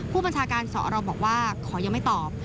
ผู้บัญชาการสอรบอกว่าขอยังไม่ตอบ